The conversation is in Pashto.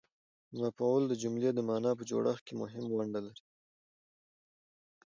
مفعول د جملې د مانا په جوړښت کښي مهمه ونډه لري.